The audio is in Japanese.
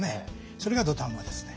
それが土壇場ですね。